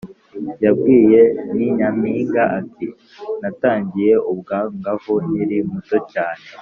yabwiye “ni nyampinga”, ati “natangiye ubwangavu nkiri muto cyane